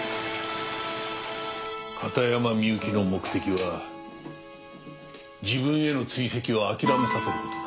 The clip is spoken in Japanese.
片山みゆきの目的は自分への追跡を諦めさせる事だ。